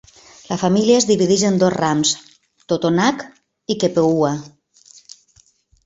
La família es divideix en dos rams, Totonac i Tepehua.